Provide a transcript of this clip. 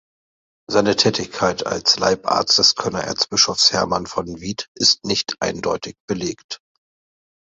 Seine Tätigkeit als Leibarzt des Kölner Erzbischofs Hermann von Wied ist nicht eindeutig belegt.